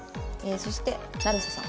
そして成瀬さん。